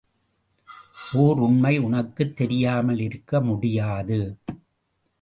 ஓர் உண்மை உனக்கு தெரியாமல் இருக்க முடியாது.